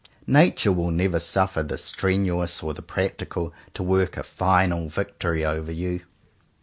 Nature will never suffer the strenuous or the practical to work a final victory over you.